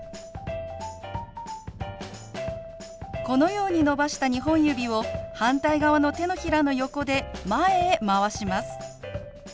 このように伸ばした２本指を反対側の手のひらの横で前へまわします。